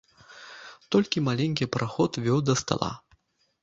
Толькі маленькі праход вёў да стала.